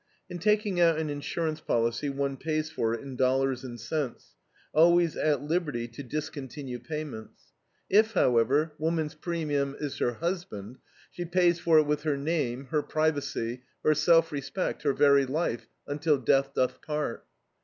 In taking out an insurance policy one pays for it in dollars and cents, always at liberty to discontinue payments. If, however, woman's premium is her husband, she pays for it with her name, her privacy, her self respect, her very life, "until death doth part."